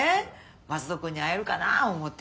松戸君に会えるかな思て。